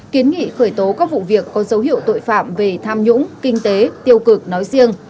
kiến nghị khởi tố các vụ việc có dấu hiệu tội phạm về tham nhũng kinh tế tiêu cực nói riêng